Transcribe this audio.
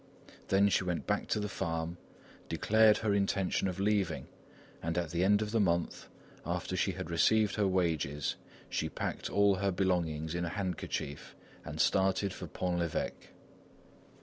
Then she went back to the farm, declared her intention of leaving, and at the end of the month, after she had received her wages, she packed all her belongings in a handkerchief and started for Pont l'Evêque.